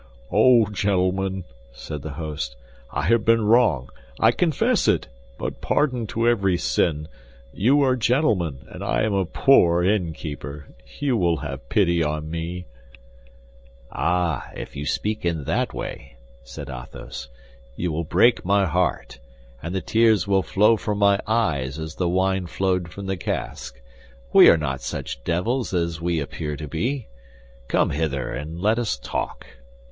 "Oh, gentlemen," said the host, "I have been wrong. I confess it, but pardon to every sin! You are gentlemen, and I am a poor innkeeper. You will have pity on me." "Ah, if you speak in that way," said Athos, "you will break my heart, and the tears will flow from my eyes as the wine flowed from the cask. We are not such devils as we appear to be. Come hither, and let us talk."